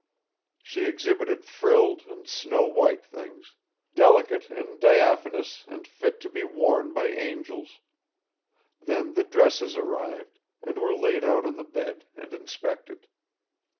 She exhibited frilled and snow white things, delicate and diaphanous and fit to be worn by angels. Then the dresses arrived, and were laid out on the bed and inspected.